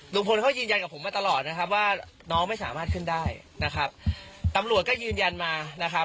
ลุงพลเขายืนยันกับผมมาตลอดนะครับว่าน้องไม่สามารถขึ้นได้นะครับตำรวจก็ยืนยันมานะครับ